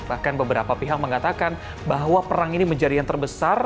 bahkan beberapa pihak mengatakan bahwa perang ini menjadi yang terbesar